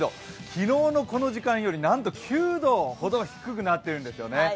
昨日のこの時間より、なんと９度ほど低くなってるんですよね。